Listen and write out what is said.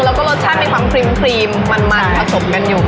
แล้วก็รสชาติมีความครีมมันผสมกันอยู่